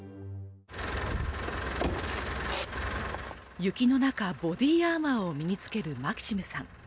雪の中、ボディーアーマーを身に着けるマキシムさん。